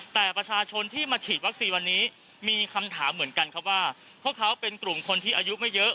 แต่ประชาชนที่มาฉีดวัคซีนวันนี้มีคำถามเหมือนกันครับว่าพวกเขาเป็นกลุ่มคนที่อายุไม่เยอะ